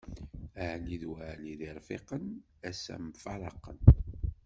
Ɛli d Weɛli d irfiqen, assa mfaraqen.